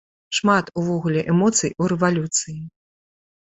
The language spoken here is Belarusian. Шмат, увогуле, эмоцый у рэвалюцыі.